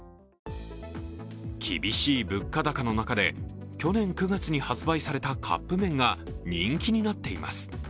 厳しい物価高の中で去年９月に発売されたカップ麺が人気になっています。